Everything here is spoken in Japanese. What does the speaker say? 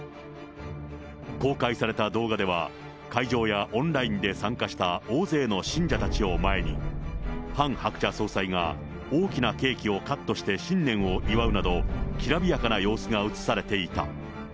公開された動画では、会場やオンラインで参加した大勢の信者たちを前に、ハン・ハクチャ総裁が大きなケーキをカットして新年を祝うなど、きらびやかな様子が映されていた。